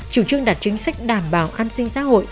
chủ trương đặt chính sách đảm bảo an sinh xã hội